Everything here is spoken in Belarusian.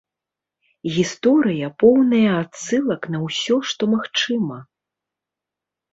Гісторыя поўная адсылак на ўсё, што магчыма.